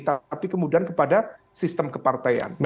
tapi kemudian kepada sistem kepartaian